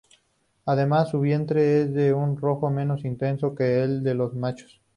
Además su vientre es de un rojo menos intenso que el de los machos.